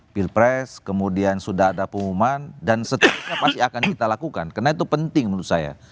pilpres kemudian sudah ada pengumuman dan seterusnya pasti akan kita lakukan karena itu penting menurut saya